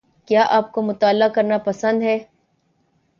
کیا آپ کو مطالعہ کرنا پسند ہے